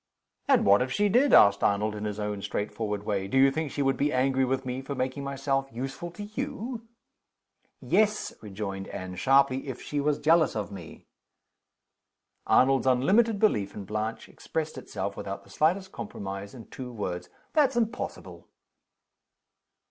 "And what if she did?" asked Arnold, in his own straightforward way. "Do you think she would be angry with me for making myself useful to you?" "Yes," rejoined Anne, sharply, "if she was jealous of me." Arnold's unlimited belief in Blanche expressed itself, without the slightest compromise, in two words: "That's impossible!"